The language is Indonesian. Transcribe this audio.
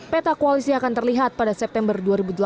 peta koalisi akan terlihat pada september dua ribu delapan belas